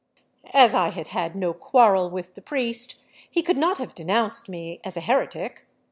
As I had had no quarrel with the priest, he could not have denounced me as a heretic.